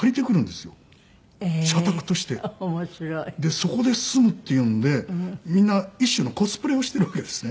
そこで住むっていうんでみんな一種のコスプレをしてるわけですね。